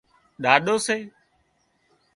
ڏاڏو سي